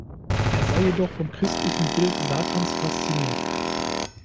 Er sei jedoch vom christlichen Bild Satans fasziniert.